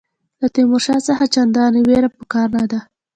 له تیمورشاه څخه چنداني وېره په کار نه ده.